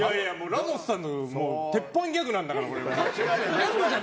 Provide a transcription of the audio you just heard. ラモスさんの鉄板ギャグなんだから。